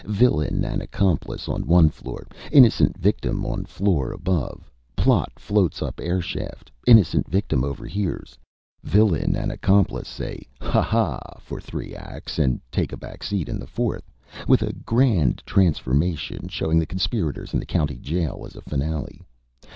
Villain and accomplice on one floor, innocent victim on floor above. Plot floats up air shaft. Innocent victim overhears; villain and accomplice say 'ha ha' for three acts and take a back seat in the fourth, with a grand transformation showing the conspirators in the county jail as a finale.